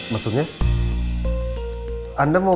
maksudnya anda mau